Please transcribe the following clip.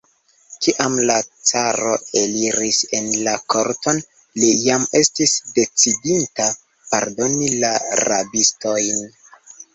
Kiam la caro eliris en la korton, li jam estis decidinta pardoni la rabistojn.